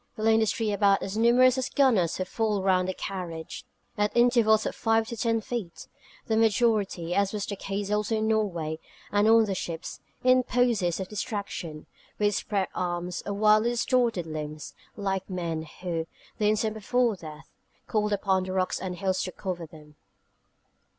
They lay in the street about as numerous as gunners who fall round their carriage, at intervals of five to ten feet, the majority as was the case also in Norway, and on the ships in poses of distraction, with spread arms, or wildly distorted limbs, like men who, the instant before death, called upon the rocks and hills to cover them.